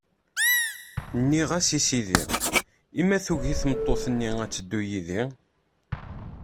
Nniɣ-as i sidi: I ma tugi tmeṭṭut-nni ad d-teddu yid-i?